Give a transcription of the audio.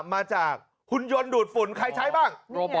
มาจากหุ่นยนต์ดูดฝุ่นใครใช้บ้าง